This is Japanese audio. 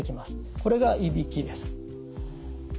これがいびきです。